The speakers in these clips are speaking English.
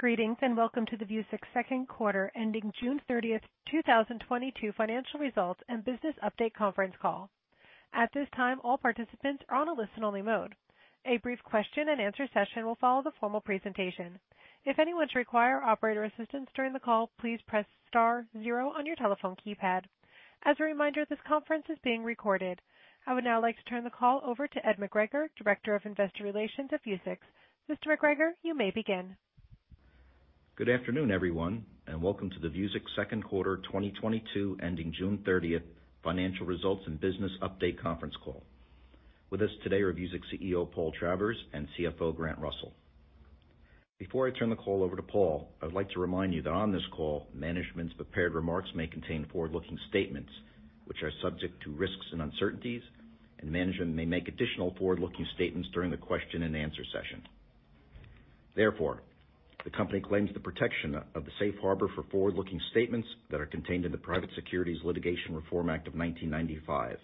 Greetings, and welcome to the Vuzix 2nd quarter ending June 30, 2022 financial results and business update conference call. At this time, all participants are on a listen-only mode. A brief question and answer session will follow the formal presentation. If anyone should require operator assistance during the call, please press star zero on your telephone keypad. As a reminder, this conference is being recorded. I would now like to turn the call over to Ed McGregor, Director of Investor Relations at Vuzix. Mr. McGregor, you may begin. Good afternoon, everyone, and welcome to the Vuzix 2nd quarter 2022 ending June 30th financial results and business update conference call. With us today are Vuzix CEO, Paul Travers, and CFO, Grant Russell. Before I turn the call over to Paul, I would like to remind you that on this call, management's prepared remarks may contain forward-looking statements which are subject to risks and uncertainties, and management may make additional forward-looking statements during the question and answer session. Therefore, the company claims the protection of the safe harbor for forward-looking statements that are contained in the Private Securities Litigation Reform Act of 1995.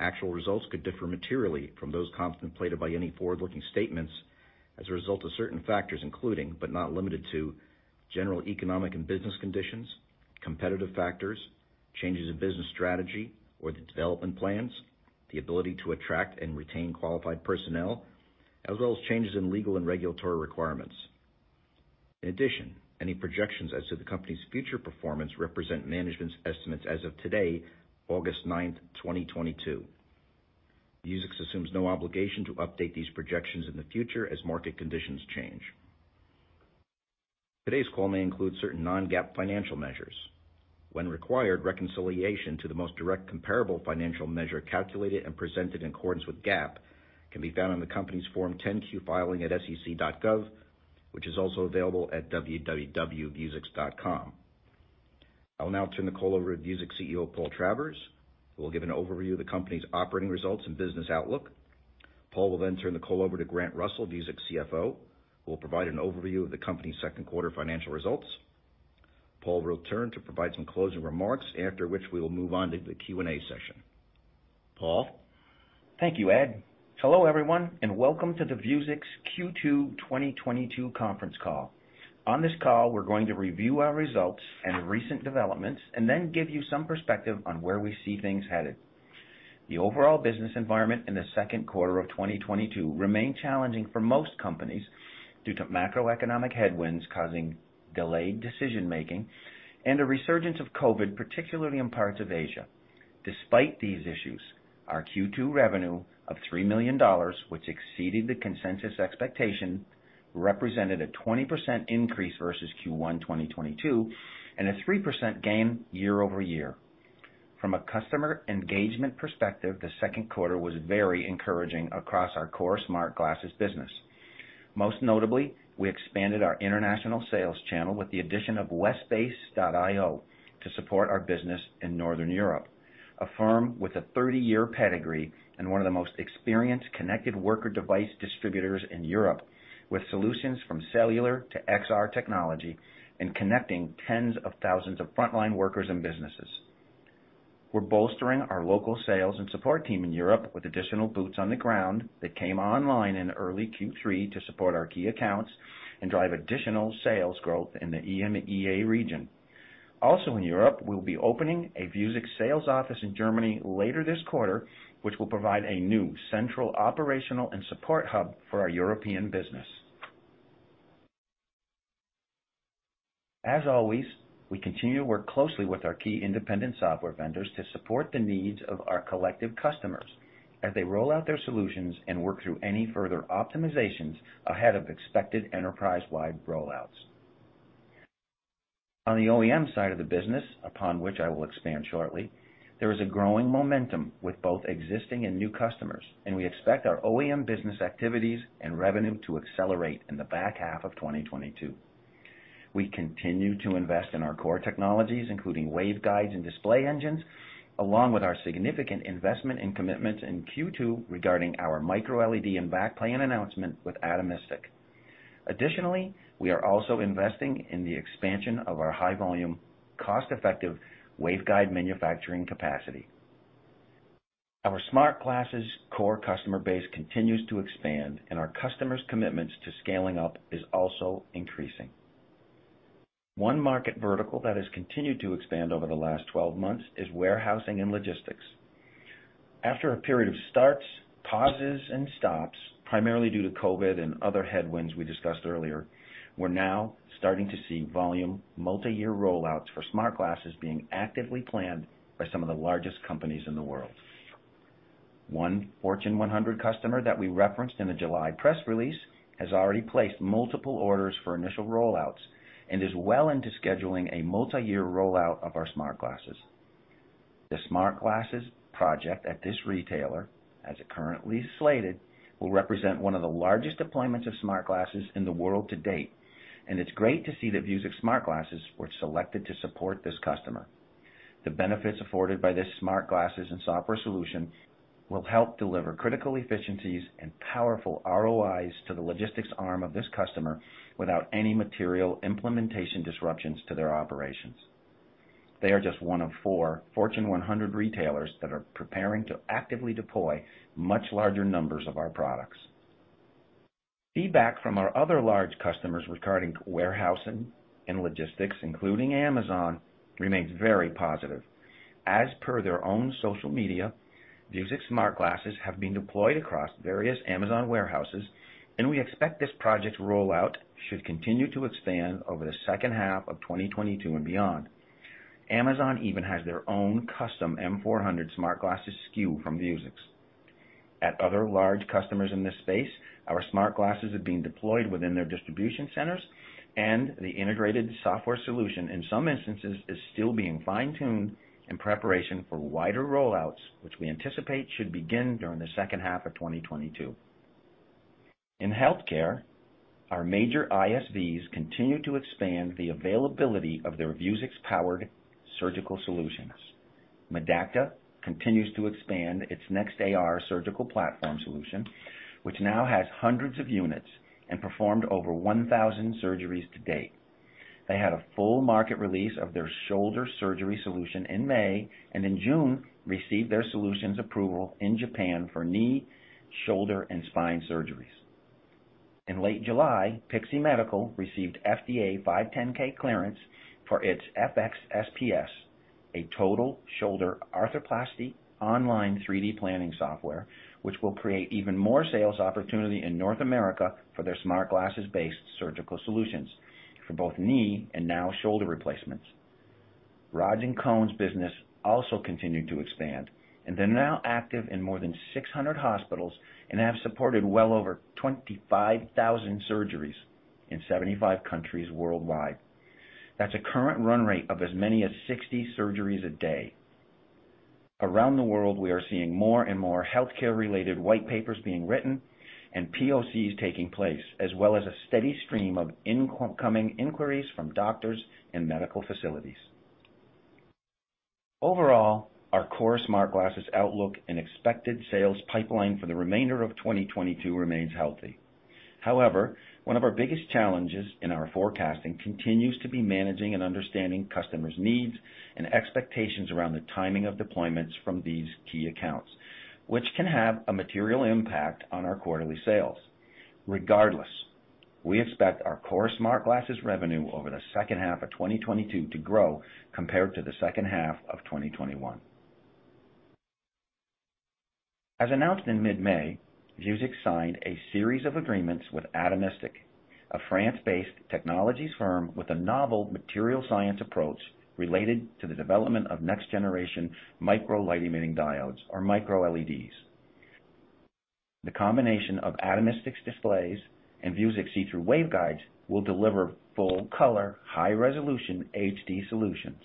Actual results could differ materially from those contemplated by any forward-looking statements as a result of certain factors, including, but not limited to, general economic and business conditions, competitive factors, changes in business strategy or the development plans, the ability to attract and retain qualified personnel, as well as changes in legal and regulatory requirements. In addition, any projections as to the company's future performance represent management's estimates as of today, August 9, 2022. Vuzix assumes no obligation to update these projections in the future as market conditions change. Today's call may include certain non-GAAP financial measures. When required, reconciliation to the most direct comparable financial measure calculated and presented in accordance with GAAP can be found on the company's Form 10-Q filing at SEC.gov, which is also available at www.vuzix.com. I'll now turn the call over to Vuzix CEO, Paul Travers, who will give an overview of the company's operating results and business outlook. Paul will then turn the call over to Grant Russell, Vuzix CFO, who will provide an overview of the company's 2nd quarter financial results. Paul will return to provide some closing remarks, after which we will move on to the Q&A session. Paul? Thank you, Ed. Hello, everyone, and welcome to the Vuzix Q2 2022 conference call. On this call, we're going to review our results and recent developments and then give you some perspective on where we see things headed. The overall business environment in the 2nd quarter of 2022 remained challenging for most companies due to macroeconomic headwinds causing delayed decision-making and a resurgence of COVID, particularly in parts of Asia. Despite these issues, our Q2 revenue of $3 million, which exceeded the consensus expectation, represented a 20% increase versus Q1 2022 and a 3% gain year-over-year. From a customer engagement perspective, the 2nd quarter was very encouraging across our core smart glasses business. Most notably, we expanded our international sales channel with the addition of Westbase.io to support our business in Northern Europe, a firm with a 30-year pedigree and one of the most experienced connected worker device distributors in Europe, with solutions from cellular to XR technology and connecting tens of thousands of frontline workers and businesses. We're bolstering our local sales and support team in Europe with additional boots on the ground that came online in early Q3 to support our key accounts and drive additional sales growth in the EMEA region. Also in Europe, we'll be opening a Vuzix sales office in Germany later this quarter, which will provide a new central operational and support hub for our European business. As always, we continue to work closely with our key independent software vendors to support the needs of our collective customers as they roll out their solutions and work through any further optimizations ahead of expected enterprise-wide rollouts. On the OEM side of the business, upon which I will expand shortly, there is a growing momentum with both existing and new customers, and we expect our OEM business activities and revenue to accelerate in the back half of 2022. We continue to invest in our core technologies, including waveguides and display engines, along with our significant investment and commitments in Q2 regarding our microLED and backplane announcement with Atomistic. Additionally, we are also investing in the expansion of our high volume, cost-effective waveguide manufacturing capacity. Our smart glasses core customer base continues to expand, and our customers' commitments to scaling up is also increasing. One market vertical that has continued to expand over the last 12 months is warehousing and logistics. After a period of starts, pauses, and stops, primarily due to COVID and other headwinds we discussed earlier, we're now starting to see volume multi-year rollouts for smart glasses being actively planned by some of the largest companies in the world. One Fortune 100 customer that we referenced in the July press release has already placed multiple orders for initial rollouts and is well into scheduling a multi-year rollout of our smart glasses. The smart glasses project at this retailer, as it currently is slated, will represent one of the largest deployments of smart glasses in the world to date, and it's great to see that Vuzix smart glasses were selected to support this customer. The benefits afforded by this smart glasses and software solution will help deliver critical efficiencies and powerful ROIs to the logistics arm of this customer without any material implementation disruptions to their operations. They are just one of four Fortune 100 retailers that are preparing to actively deploy much larger numbers of our products. Feedback from our other large customers regarding warehousing and logistics, including Amazon, remains very positive. As per their own social media, Vuzix smart glasses have been deployed across various Amazon warehouses, and we expect this project rollout should continue to expand over the second half of 2022 and beyond. Amazon even has their own custom M400 smart glasses SKU from Vuzix. At other large customers in this space, our smart glasses are being deployed within their distribution centers, and the integrated software solution in some instances is still being fine-tuned in preparation for wider rollouts, which we anticipate should begin during the second half of 2022. In healthcare, our major ISVs continue to expand the availability of their Vuzix-powered surgical solutions. Medacta continues to expand its NextAR surgical platform solution, which now has hundreds of units and performed over 1,000 surgeries to date. They had a full market release of their shoulder surgery solution in May, and in June, received their solutions approval in Japan for knee, shoulder, and spine surgeries. In late July, Pixee Medical received FDA 510(k) clearance for its FX SPS, a total shoulder arthroplasty online 3D planning software, which will create even more sales opportunity in North America for their smart glasses-based surgical solutions for both knee and now shoulder replacements. Rods & Cones business also continued to expand, and they're now active in more than 600 hospitals and have supported well over 25,000 surgeries in 75 countries worldwide. That's a current run rate of as many as 60 surgeries a day. Around the world, we are seeing more and more healthcare related white papers being written and POCs taking place, as well as a steady stream of incoming inquiries from doctors and medical facilities. Overall, our core smart glasses outlook and expected sales pipeline for the remainder of 2022 remains healthy. However, one of our biggest challenges in our forecasting continues to be managing and understanding customers' needs and expectations around the timing of deployments from these key accounts, which can have a material impact on our quarterly sales. Regardless, we expect our core smart glasses revenue over the second half of 2022 to grow compared to the second half of 2021. As announced in mid-May, Vuzix signed a series of agreements with Atomistic, a France-based technology firm with a novel material science approach related to the development of next-generation micro light-emitting diodes or microLEDs. The combination of Atomistic's displays and Vuzix see-through waveguides will deliver full color, high resolution HD solutions,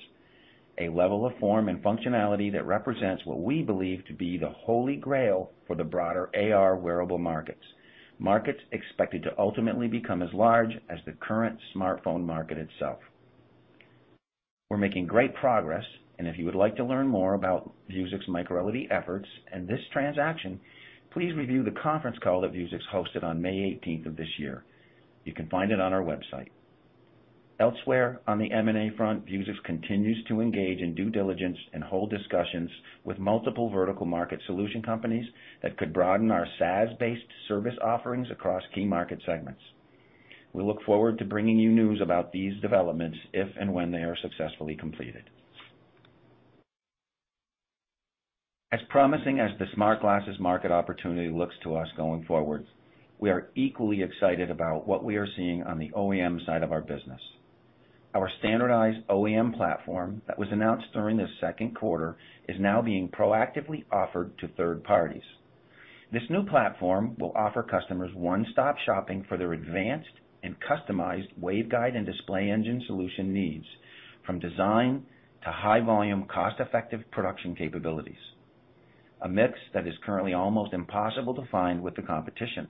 a level of form and functionality that represents what we believe to be the holy grail for the broader AR wearable markets expected to ultimately become as large as the current smartphone market itself. We're making great progress, and if you would like to learn more about Vuzix microLED efforts and this transaction, please review the conference call that Vuzix hosted on May eighteenth of this year. You can find it on our website. Elsewhere on the M&A front, Vuzix continues to engage in due diligence and hold discussions with multiple vertical market solution companies that could broaden our SaaS-based service offerings across key market segments. We look forward to bringing you news about these developments if and when they are successfully completed. As promising as the smart glasses market opportunity looks to us going forward, we are equally excited about what we are seeing on the OEM side of our business. Our standardized OEM platform that was announced during the 2nd quarter is now being proactively offered to third parties. This new platform will offer customers one-stop shopping for their advanced and customized waveguide and display engine solution needs from design to high volume, cost-effective production capabilities, a mix that is currently almost impossible to find with the competition.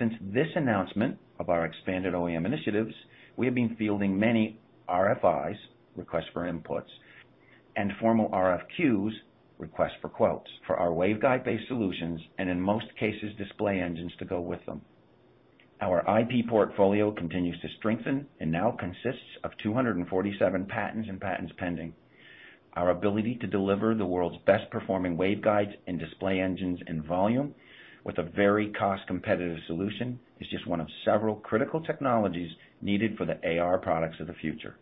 Since this announcement of our expanded OEM initiatives, we have been fielding many RFIs, requests for information, and formal RFQs, requests for quotes, for our waveguide-based solutions and in most cases, display engines to go with them. Our IP portfolio continues to strengthen and now consists of 247 patents and patents pending. Our ability to deliver the world's best performing waveguides and display engines in volume with a very cost-competitive solution is just one of several critical technologies needed for the AR products of the future.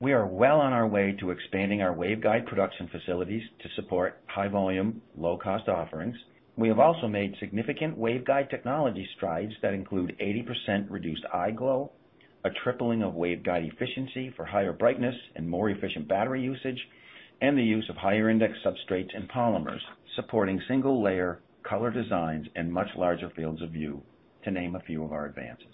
We are well on our way to expanding our waveguide production facilities to support high volume, low cost offerings. We have also made significant waveguide technology strides that include 80% reduced eye glow, a tripling of waveguide efficiency for higher brightness and more efficient battery usage, and the use of higher index substrates and polymers supporting single layer color designs and much larger fields of view, to name a few of our advances.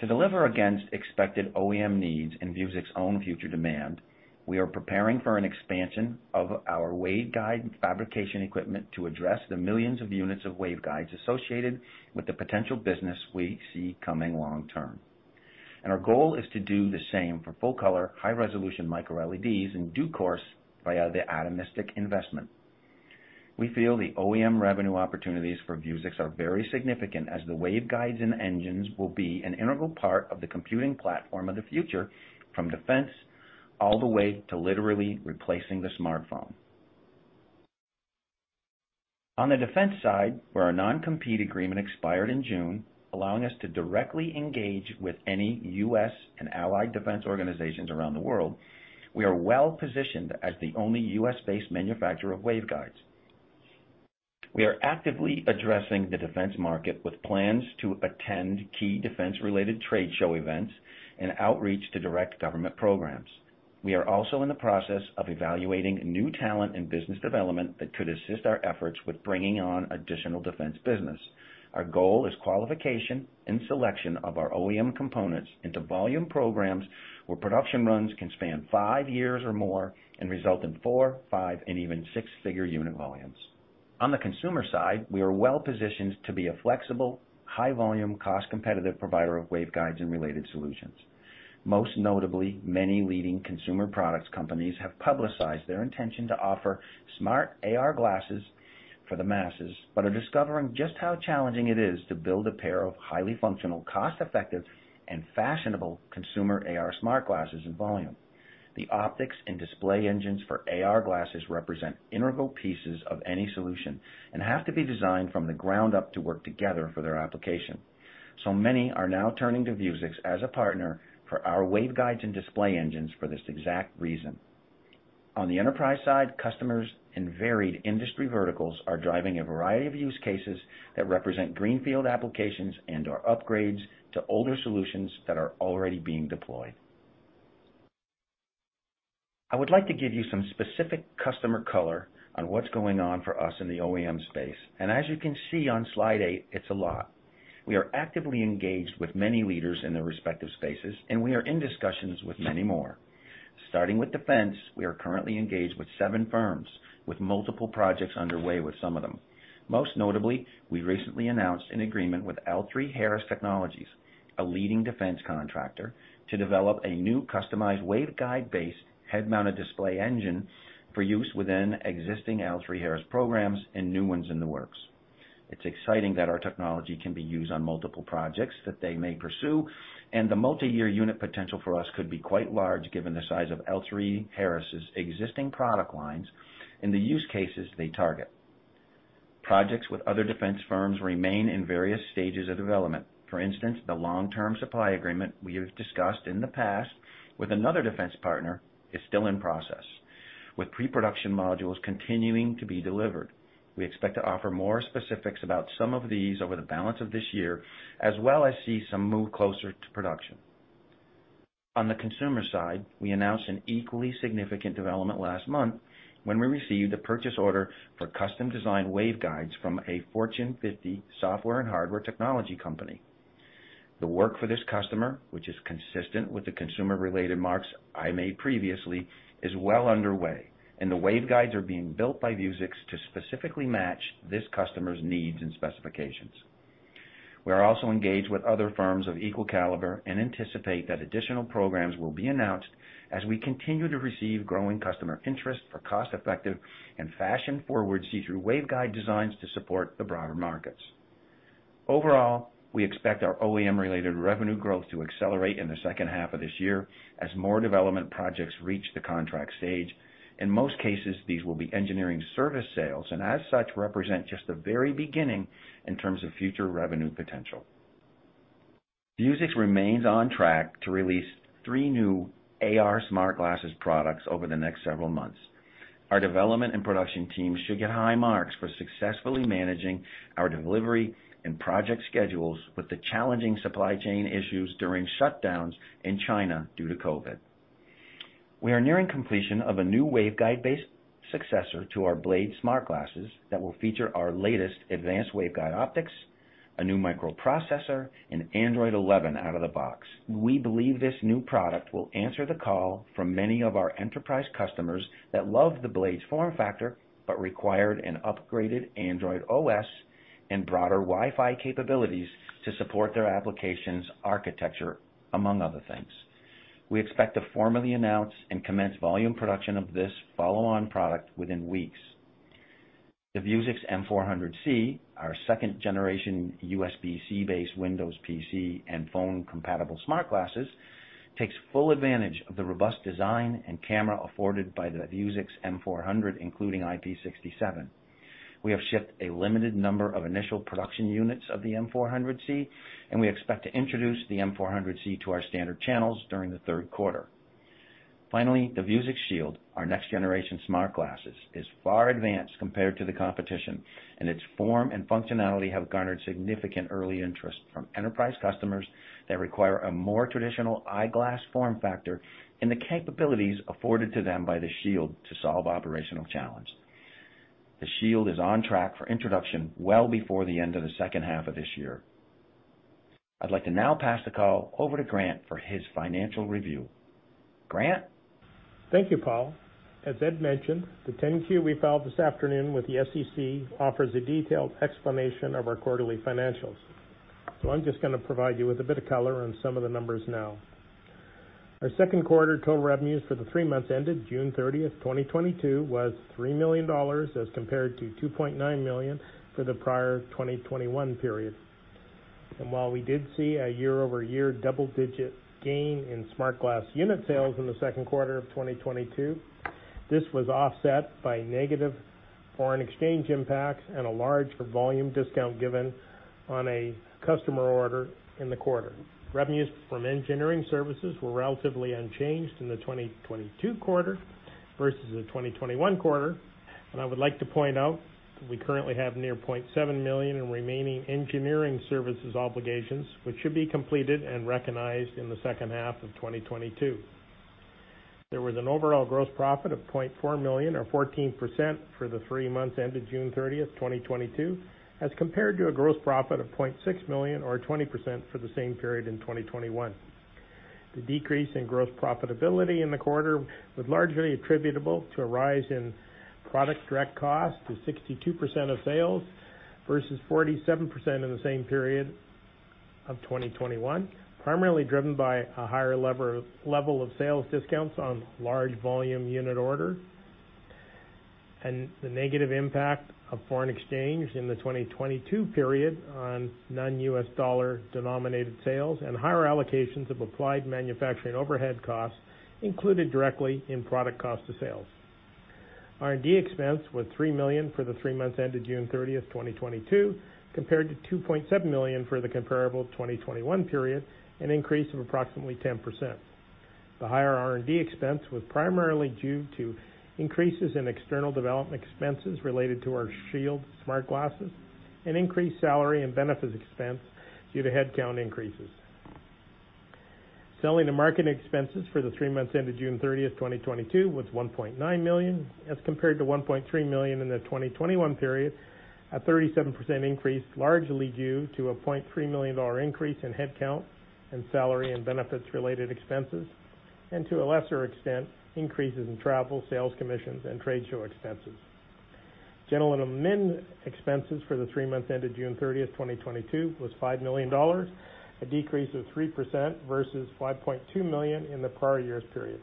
To deliver against expected OEM needs and Vuzix's own future demand, we are preparing for an expansion of our waveguide fabrication equipment to address the millions of units of waveguides associated with the potential business we see coming long term, and our goal is to do the same for full color, high resolution micro LEDs in due course via the Atomistic investment. We feel the OEM revenue opportunities for Vuzix are very significant as the waveguides in engines will be an integral part of the computing platform of the future, from defense all the way to literally replacing the smartphone. On the defense side, where our non-compete agreement expired in June, allowing us to directly engage with any U.S. and allied defense organizations around the world, we are well-positioned as the only U.S.-based manufacturer of waveguides. We are actively addressing the defense market with plans to attend key defense-related trade show events and outreach to direct government programs. We are also in the process of evaluating new talent and business development that could assist our efforts with bringing on additional defense business. Our goal is qualification and selection of our OEM components into volume programs where production runs can span five years or more and result in four, five, and even six-figure unit volumes. On the consumer side, we are well-positioned to be a flexible, high-volume, cost-competitive provider of waveguides and related solutions. Most notably, many leading consumer products companies have publicized their intention to offer smart AR glasses for the masses, but are discovering just how challenging it is to build a pair of highly functional, cost-effective, and fashionable consumer AR smart glasses in volume. The optics and display engines for AR glasses represent integral pieces of any solution and have to be designed from the ground up to work together for their application. Many are now turning to Vuzix as a partner for our waveguides and display engines for this exact reason. On the enterprise side, customers in varied industry verticals are driving a variety of use cases that represent greenfield applications and/or upgrades to older solutions that are already being deployed. I would like to give you some specific customer color on what's going on for us in the OEM space, and as you can see on slide eight, it's a lot. We are actively engaged with many leaders in their respective spaces, and we are in discussions with many more. Starting with defense, we are currently engaged with seven firms, with multiple projects underway with some of them. Most notably, we recently announced an agreement with L3Harris Technologies, a leading defense contractor, to develop a new customized waveguide-based head-mounted display engine for use within existing L3Harris programs and new ones in the works. It's exciting that our technology can be used on multiple projects that they may pursue, and the multiyear unit potential for us could be quite large given the size of L3Harris' existing product lines and the use cases they target. Projects with other defense firms remain in various stages of development. For instance, the long-term supply agreement we have discussed in the past with another defense partner is still in process, with pre-production modules continuing to be delivered. We expect to offer more specifics about some of these over the balance of this year, as well as see some move closer to production. On the consumer side, we announced an equally significant development last month when we received a purchase order for custom-designed waveguides from a Fortune 50 software and hardware technology company. The work for this customer, which is consistent with the consumer-related marks I made previously, is well underway, and the waveguides are being built by Vuzix to specifically match this customer's needs and specifications. We are also engaged with other firms of equal caliber and anticipate that additional programs will be announced as we continue to receive growing customer interest for cost-effective and fashion-forward see-through waveguide designs to support the broader markets. Overall, we expect our OEM-related revenue growth to accelerate in the second half of this year as more development projects reach the contract stage. In most cases, these will be engineering service sales and as such, represent just the very beginning in terms of future revenue potential. Vuzix remains on track to release three new AR smart glasses products over the next several months. Our development and production teams should get high marks for successfully managing our delivery and project schedules with the challenging supply chain issues during shutdowns in China due to COVID. We are nearing completion of a new waveguide-based successor to our Blade smart glasses that will feature our latest advanced waveguide optics, a new microprocessor, and Android 11 out of the box. We believe this new product will answer the call from many of our enterprise customers that love the Blade's form factor but required an upgraded Android OS and broader Wi-Fi capabilities to support their application's architecture, among other things. We expect to formally announce and commence volume production of this follow-on product within weeks. The Vuzix M400C, our second-generation USB-C-based Windows PC and phone-compatible smart glasses, takes full advantage of the robust design and camera afforded by the Vuzix M400, including IP67. We have shipped a limited number of initial production units of the M400C, and we expect to introduce the M400C to our standard channels during the 3rd quarter. Finally, the Vuzix Shield, our next-generation smart glasses, is far advanced compared to the competition, and its form and functionality have garnered significant early interest from enterprise customers that require a more traditional eyeglass form factor and the capabilities afforded to them by the Shield to solve operational challenge. The Shield is on track for introduction well before the end of the second half of this year. I'd like to now pass the call over to Grant for his financial review. Grant? Thank you, Paul. As Ed mentioned, the 10-Q we filed this afternoon with the SEC offers a detailed explanation of our quarterly financials, so I'm just gonna provide you with a bit of color on some of the numbers now. Our 2nd quarter total revenues for the three months ended June 30th, 2022 was $3 million as compared to $2.9 million for the prior 2021 period. While we did see a year-over-year double-digit gain in smart glass unit sales in the 2nd quarter of 2022, this was offset by negative foreign exchange impacts and a large volume discount given on a customer order in the quarter. Revenues from engineering services were relatively unchanged in the 2022 quarter versus the 2021 quarter, and I would like to point out that we currently have near $0.7 million in remaining engineering services obligations, which should be completed and recognized in the second half of 2022. There was an overall gross profit of $0.4 million or 14% for the three months ended June 30th, 2022, as compared to a gross profit of $0.6 million or 20% for the same period in 2021. The decrease in gross profitability in the quarter was largely attributable to a rise in product direct cost to 62% of sales versus 47% in the same period of 2021, primarily driven by a higher level of sales discounts on large volume unit orders and the negative impact of foreign exchange in the 2022 period on non-U.S. dollar-denominated sales and higher allocations of applied manufacturing overhead costs included directly in product cost of sales. R&D expense was $3 million for the three months ended June 30th, 2022, compared to $2.7 million for the comparable 2021 period, an increase of approximately 10%. The higher R&D expense was primarily due to increases in external development expenses related to our Shield smart glasses and increased salary and benefit expense due to headcount increases. Selling and marketing expenses for the three months ended June 30th, 2022, was $1.9 million as compared to $1.3 million in the 2021 period, a 37% increase largely due to a $0.3 million increase in headcount and salary and benefits-related expenses, and to a lesser extent, increases in travel, sales commissions, and trade show expenses. General and administrative expenses for the three months ended June 30th, 2022, was $5 million, a decrease of 3% versus $5.2 million in the prior year's period.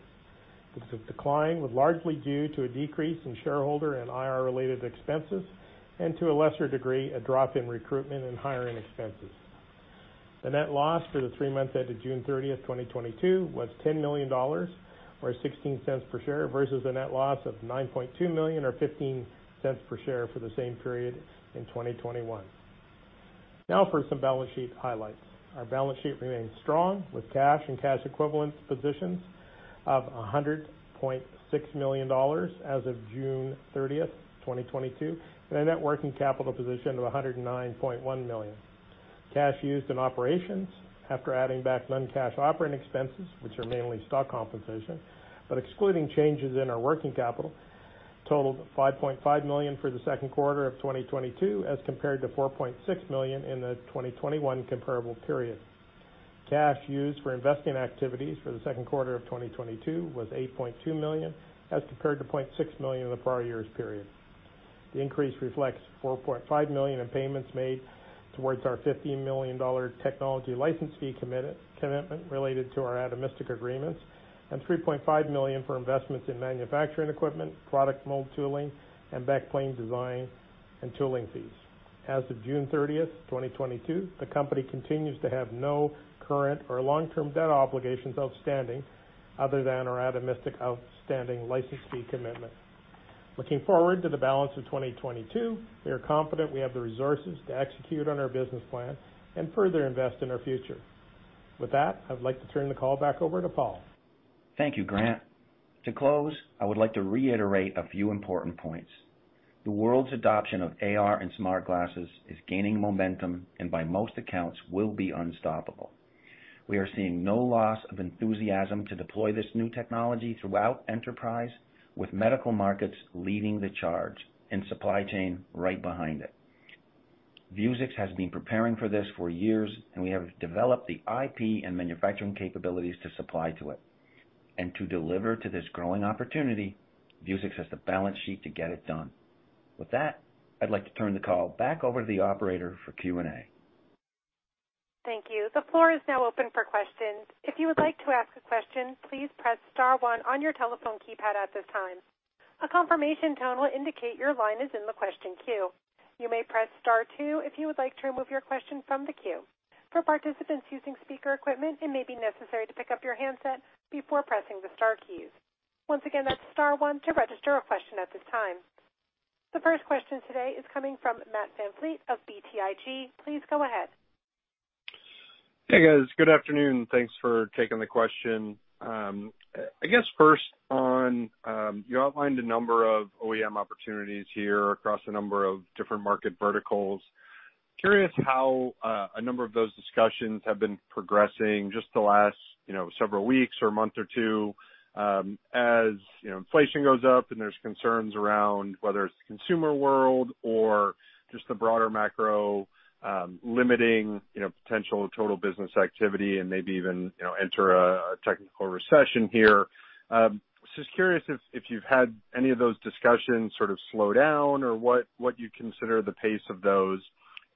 The decline was largely due to a decrease in shareholder and IR-related expenses, and to a lesser degree, a drop in recruitment and hiring expenses. The net loss for the three months ended June 30th, 2022, was $10 million, or 16 cents per share, versus a net loss of $9.2 million or 15 cents per share for the same period in 2021. Now for some balance sheet highlights. Our balance sheet remains strong with cash and cash equivalents positions of $100.6 million as of June 30th, 2022, and a net working capital position of $109.1 million. Cash used in operations after adding back non-cash operating expenses, which are mainly stock compensation, but excluding changes in our working capital, totaled $5.5 million for the 2nd quarter of 2022 as compared to $4.6 million in the 2021 comparable period. Cash used for investing activities for the 2nd quarter of 2022 was $8.2 million as compared to $0.6 million in the prior year's period. The increase reflects $4.5 million in payments made towards our $15 million technology license fee commitment related to our Atomistic agreements and $3.5 million for investments in manufacturing equipment, product mold tooling, and backplane design and tooling fees. As of June 30th, 2022, the company continues to have no current or long-term debt obligations outstanding other than our Atomistic outstanding license fee commitment. Looking forward to the balance of 2022, we are confident we have the resources to execute on our business plan and further invest in our future. With that, I'd like to turn the call back over to Paul. Thank you, Grant. To close, I would like to reiterate a few important points. The world's adoption of AR and smart glasses is gaining momentum and by most accounts will be unstoppable. We are seeing no loss of enthusiasm to deploy this new technology throughout enterprise with medical markets leading the charge and supply chain right behind it. Vuzix has been preparing for this for years, and we have developed the IP and manufacturing capabilities to supply to it. To deliver to this growing opportunity, Vuzix has the balance sheet to get it done. With that, I'd like to turn the call back over to the operator for Q&A. Thank you. The floor is now open for questions. If you would like to ask a question, please press star one on your telephone keypad at this time. A confirmation tone will indicate your line is in the question queue. You may press star two if you would like to remove your question from the queue. For participants using speaker equipment, it may be necessary to pick up your handset before pressing the star keys. Once again, that's star one to register a question at this time. The first question today is coming from Matt VanVliet of BTIG. Please go ahead. Hey, guys. Good afternoon. Thanks for taking the question. I guess first on, you outlined a number of OEM opportunities here across a number of different market verticals. Curious how a number of those discussions have been progressing just the last, you know, several weeks or month or two, as you know, inflation goes up and there's concerns around whether it's the consumer world or just the broader macro, limiting, you know, potential total business activity and maybe even, you know, enter a technical recession here. Just curious if you've had any of those discussions sort of slow down or what you consider the pace of those.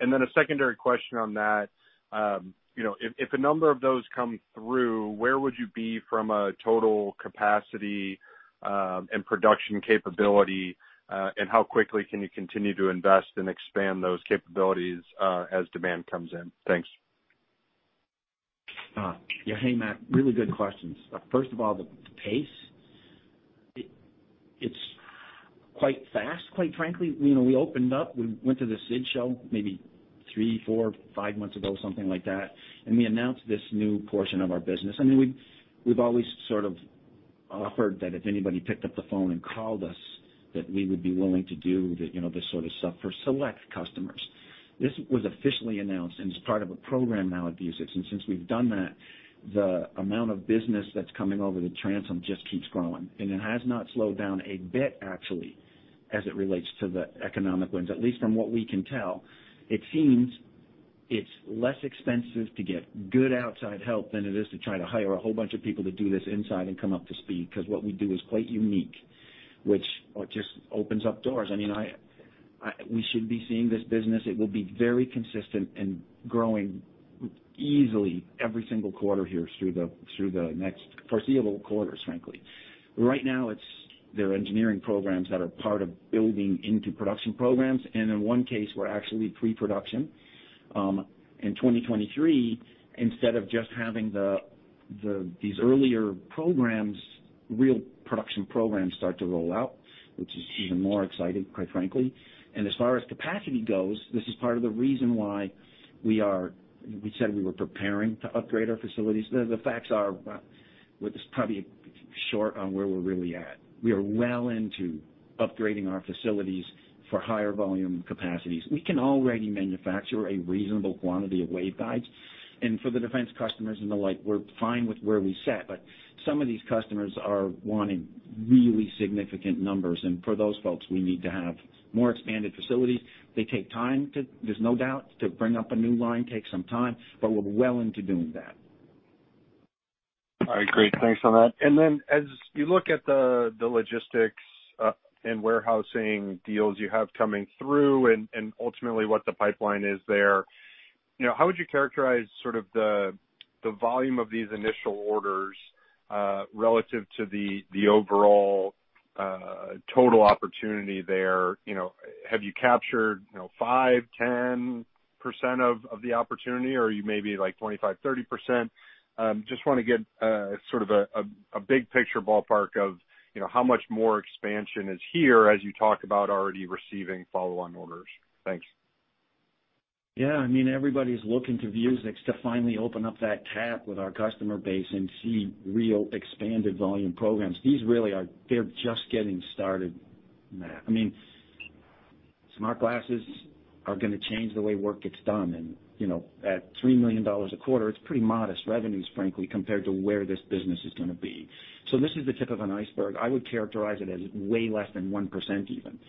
A secondary question on that. You know, if a number of those come through, where would you be from a total capacity, and production capability, and how quickly can you continue to invest and expand those capabilities, as demand comes in? Thanks. Yeah. Hey, Matt. Really good questions. First of all, the pace, it's quite fast, quite frankly. You know, we opened up, we went to the SID show maybe three, four, five months ago, something like that, and we announced this new portion of our business. I mean, we've always sort of offered that if anybody picked up the phone and called us, that we would be willing to do the, you know, this sort of stuff for select customers. This was officially announced and is part of a program now at Vuzix. Since we've done that, the amount of business that's coming over the transom just keeps growing, and it has not slowed down a bit actually, as it relates to the economic headwinds. At least from what we can tell, it seems it's less expensive to get good outside help than it is to try to hire a whole bunch of people to do this inside and come up to speed, 'cause what we do is quite unique, which just opens up doors. I mean, we should be seeing this business. It will be very consistent and growing easily every single quarter here through the next foreseeable quarters, frankly. Right now, it's their engineering programs that are part of building into production programs, and in one case, we're actually pre-production. In 2023, instead of just having these earlier programs, real production programs start to roll out, which is even more exciting, quite frankly. As far as capacity goes, this is part of the reason why we said we were preparing to upgrade our facilities. The facts are, well, this is probably short on where we're really at. We are well into upgrading our facilities for higher volume capacities. We can already manufacture a reasonable quantity of waveguides, and for the defense customers and the like, we're fine with where we set. Some of these customers are wanting really significant numbers, and for those folks, we need to have more expanded facilities. They take time to bring up a new line, there's no doubt. It takes some time, but we're well into doing that. All right, great. Thanks for that. Then as you look at the logistics and warehousing deals you have coming through and ultimately what the pipeline is there, you know, how would you characterize sort of the volume of these initial orders relative to the overall total opportunity there? You know, have you captured, you know, 5%-10% of the opportunity, or are you maybe like 25%-30%? Just wanna get sort of a big picture ballpark of, you know, how much more expansion is here as you talk about already receiving follow-on orders. Thanks. Yeah. I mean, everybody's looking to Vuzix to finally open up that tap with our customer base and see real expanded volume programs. These really are, they're just getting started, Matt. I mean, smart glasses are gonna change the way work gets done. You know, at $3 million a quarter, it's pretty modest revenues, frankly, compared to where this business is gonna be. This is the tip of an iceberg. I would characterize it as way less than 1% even.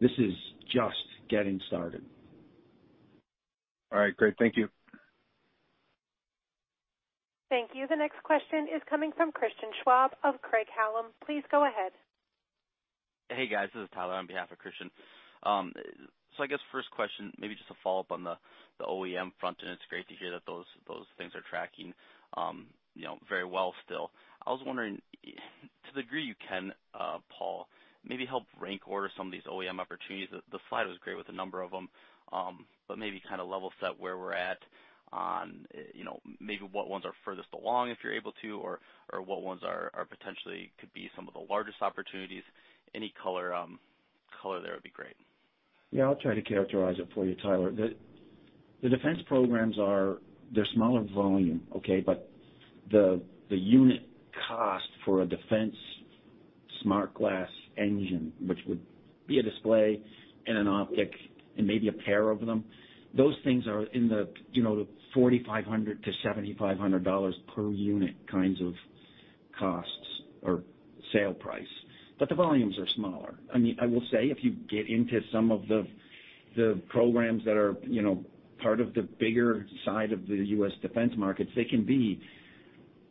This is just getting started. All right, great. Thank you. Thank you. The next question is coming from Christian Schwab of Craig-Hallum. Please go ahead. Hey, guys. This is Tyler on behalf of Christian. I guess first question, maybe just a follow-up on the OEM front, and it's great to hear that those things are tracking, you know, very well still. I was wondering, to the degree you can, Paul, maybe help rank order some of these OEM opportunities. The slide was great with a number of them, but maybe kinda level set where we're at on, you know, maybe what ones are furthest along, if you're able to, or what ones are potentially could be some of the largest opportunities. Any color there would be great. Yeah, I'll try to characterize it for you, Tyler. The defense programs are, they're smaller volume, okay? But the unit cost for a defense smart glasses engine, which would be a display and an optic and maybe a pair of them, those things are in the, you know, the $4,500-$7,500 per unit kinds of costs or sale price, but the volumes are smaller. I mean, I will say, if you get into some of the programs that are, you know, part of the bigger side of the U.S. defense markets, they can be,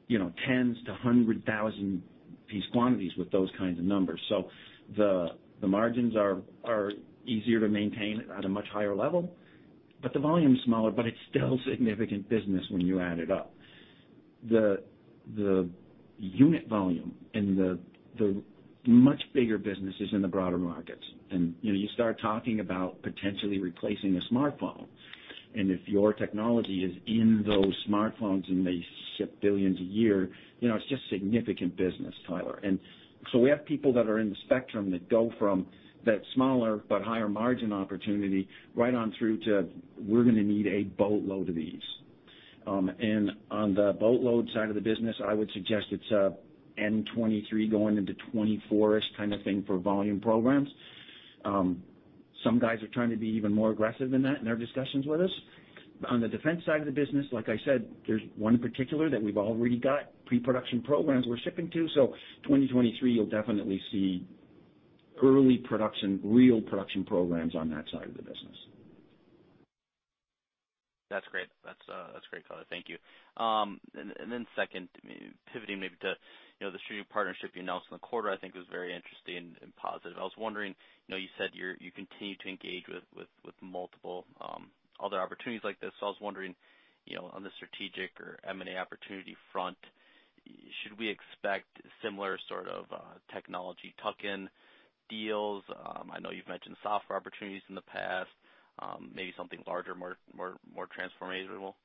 you know, 10s to 100,000 piece quantities with those kinds of numbers. So the margins are easier to maintain at a much higher level, but the volume's smaller, but it's still significant business when you add it up. The unit volume and the much bigger businesses in the broader markets. You know, you start talking about potentially replacing a smartphone, and if your technology is in those smartphones and they ship billions a year, you know, it's just significant business, Tyler. We have people that are in the spectrum that go from that smaller but higher margin opportunity right on through to we're gonna need a boatload of these. On the boatload side of the business, I would suggest it's end 2023 going into 2024-ish kind of thing for volume programs. Some guys are trying to be even more aggressive than that in their discussions with us. On the defense side of the business, like I said, there's one in particular that we've already got pre-production programs we're shipping to. 2023, you'll definitely see early production, real production programs on that side of the business. That's great. That's great, Travers. Thank you. Then second, maybe pivoting to, you know, the streaming partnership you announced in the quarter, I think was very interesting and positive. I was wondering, you know, you said you continue to engage with multiple other opportunities like this. I was wondering, you know, on the strategic or M&A opportunity front, should we expect similar sort of technology tuck-in deals? I know you've mentioned software opportunities in the past. Maybe something larger, more transformable.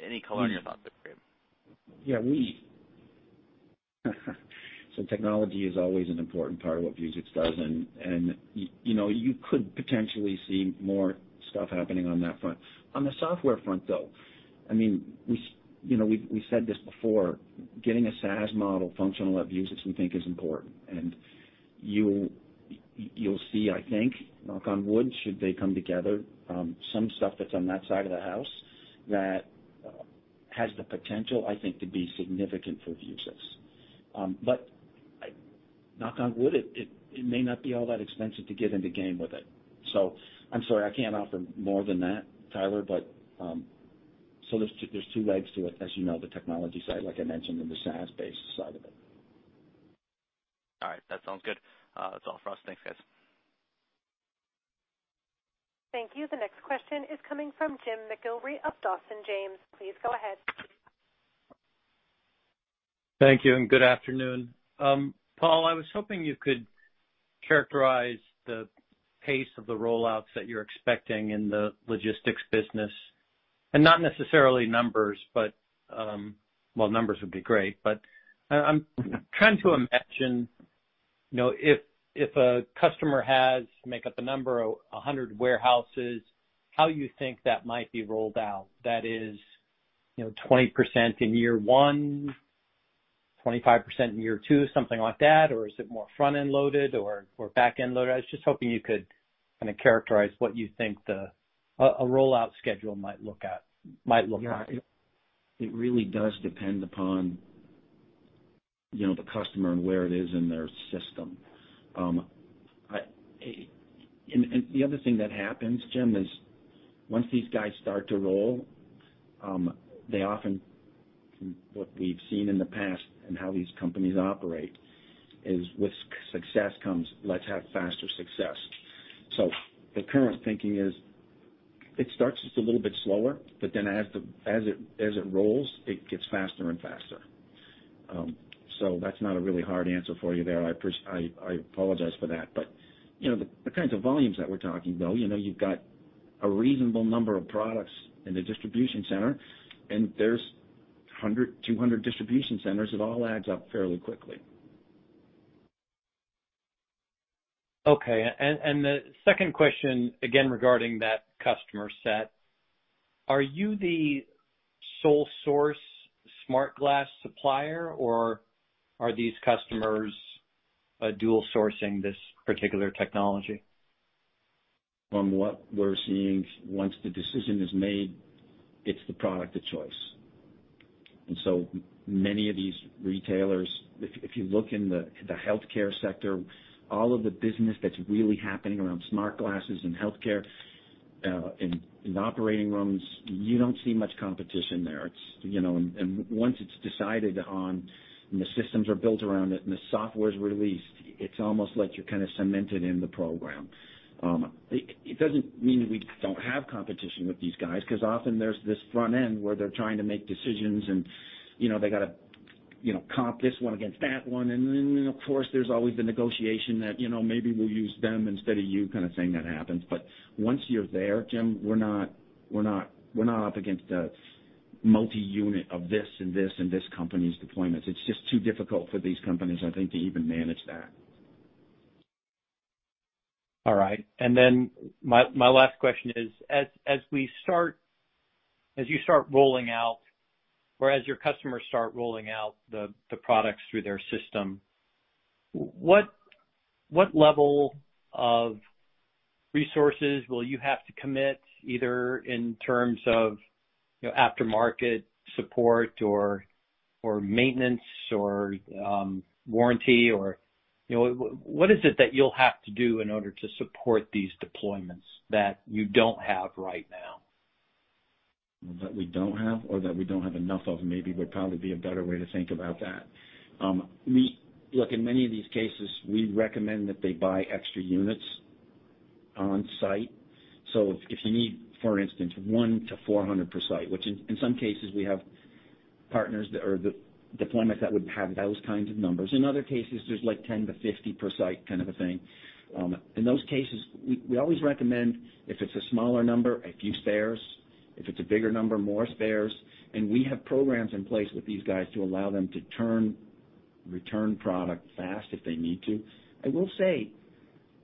Any color on your thoughts there would be great. Technology is always an important part of what Vuzix does. You know, you could potentially see more stuff happening on that front. On the software front, though, I mean, you know, we said this before. Getting a SaaS model functional at Vuzix we think is important. You'll see, I think, knock on wood, should they come together, some stuff that's on that side of the house that has the potential, I think, to be significant for Vuzix. Knock on wood, it may not be all that expensive to get in the game with it. I'm sorry I can't offer more than that, Tyler. There's two legs to it, as you know, the technology side, like I mentioned, and the SaaS-based side of it. All right. That sounds good. That's all for us. Thanks, guys. Thank you. The next question is coming from Jim McIlree of Dawson James. Please go ahead. Thank you, and good afternoon. Paul, I was hoping you could characterize the pace of the rollouts that you're expecting in the logistics business, and not necessarily numbers, but. Well, numbers would be great, but I'm trying to imagine, you know, if a customer has, make up a number, 100 warehouses, how you think that might be rolled out. That is, you know, 20% in year one, 25% in year two, something like that, or is it more front-end loaded or back-end loaded? I was just hoping you could kinda characterize what you think a rollout schedule might look like. Yeah. It really does depend upon, you know, the customer and where it is in their system. The other thing that happens, Jim, is once these guys start to roll, they often, from what we've seen in the past and how these companies operate, is with success comes, let's have faster success. The current thinking is it starts just a little bit slower, but then as it rolls, it gets faster and faster. That's not a really hard answer for you there. I apologize for that. You know, the kinds of volumes that we're talking, though, you know, you've got a reasonable number of products in the distribution center, and there's 100, 200 distribution centers. It all adds up fairly quickly. The second question, again, regarding that customer set, are you the sole source smart glass supplier, or are these customers dual sourcing this particular technology? From what we're seeing, once the decision is made, it's the product of choice. So many of these retailers, if you look in the healthcare sector, all of the business that's really happening around smart glasses in healthcare, in operating rooms, you don't see much competition there. Once it's decided on and the systems are built around it and the software's released, it's almost like you're kinda cemented in the program. It doesn't mean we don't have competition with these guys, 'cause often there's this front end where they're trying to make decisions and, you know, they gotta, you know, compare this one against that one. Then, of course, there's always the negotiation that, you know, maybe we'll use them instead of you kind of thing that happens. Once you're there, Jim, we're not up against a multi-unit of this and this and this company's deployments. It's just too difficult for these companies, I think, to even manage that. All right. My last question is, as you start rolling out, or as your customers start rolling out the products through their system, what level of resources will you have to commit, either in terms of, you know, aftermarket support or maintenance or warranty or, you know, what is it that you'll have to do in order to support these deployments that you don't have right now? That we don't have or that we don't have enough of maybe would probably be a better way to think about that. Look, in many of these cases, we recommend that they buy extra units on site. So if you need, for instance, one to 400 per site, which in some cases, we have partners or deployments that would have those kinds of numbers. In other cases, there's like 10-50 per site kind of a thing. In those cases, we always recommend if it's a smaller number, a few spares. If it's a bigger number, more spares. We have programs in place with these guys to allow them to return product fast if they need to. I will say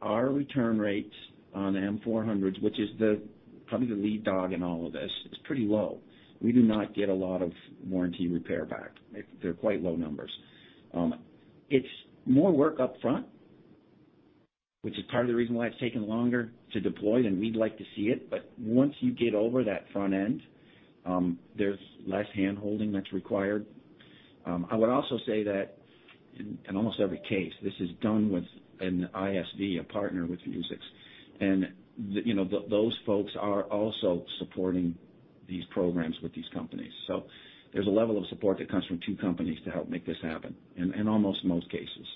our return rates on the M400s, which is probably the lead dog in all of this, is pretty low. We do not get a lot of warranty repair back. They're quite low numbers. It's more work up front, which is part of the reason why it's taken longer to deploy than we'd like to see it. Once you get over that front end, there's less hand-holding that's required. I would also say that in almost every case, this is done with an ISV, a partner with Vuzix. You know, those folks are also supporting these programs with these companies. There's a level of support that comes from two companies to help make this happen in almost most cases.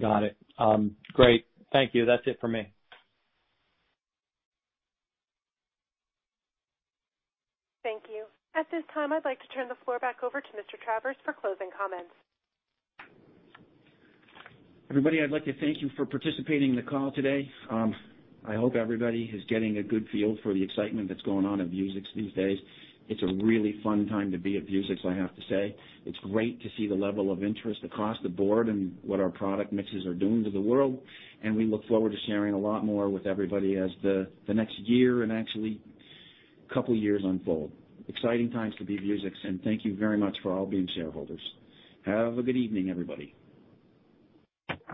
Got it. Great. Thank you. That's it for me. Thank you. At this time, I'd like to turn the floor back over to Mr. Travers for closing comments. Everybody, I'd like to thank you for participating in the call today. I hope everybody is getting a good feel for the excitement that's going on at Vuzix these days. It's a really fun time to be at Vuzix, I have to say. It's great to see the level of interest across the board and what our product mixes are doing to the world, and we look forward to sharing a lot more with everybody as the next year and actually couple years unfold. Exciting times to be Vuzix, and thank you very much for all being shareholders. Have a good evening, everybody. Ladies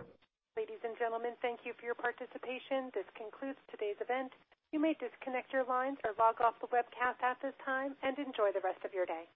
and gentlemen, thank you for your participation. This concludes today's event. You may disconnect your lines or log off the webcast at this time, and enjoy the rest of your day.